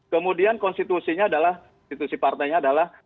kemudian konstitusinya adalah institusi partainya adalah